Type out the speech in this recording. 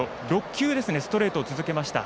６球、ストレートを続けました。